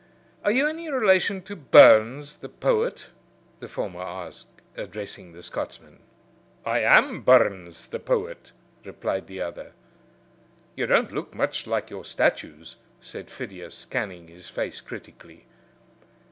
"Are you any relation to Burns the poet?" the former asked, addressing the Scotchman. "I am Burns the poet," replied the other. "You don't look much like your statues," said Phidias, scanning his face critically.